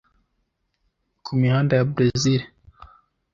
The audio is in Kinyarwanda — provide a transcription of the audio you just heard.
ku mihanda ya Bresil,